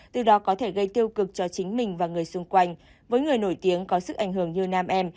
từ đó có thể gây tiêu cực cho chính mình và người xung quanh với người nổi tiếng có sức ảnh hưởng như nam em